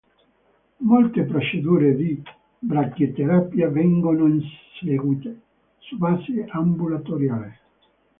Molte procedure di brachiterapia vengono eseguite su base ambulatoriale.